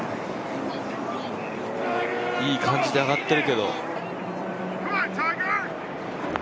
いい感じで上がってるけど。